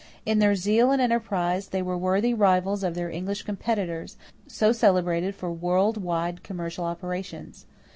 In their zeal and enterprise, they were worthy rivals of their English competitors, so celebrated for world wide commercial operations.